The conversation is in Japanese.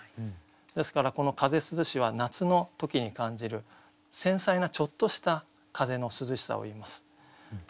ですからこの「風涼し」は夏の時に感じる繊細なちょっとした風の涼しさをいいます。